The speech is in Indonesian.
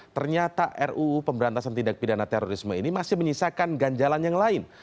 ternyata ruu pemberantasan tindak pidana terorisme ini masih menyisakan ganjalan yang lain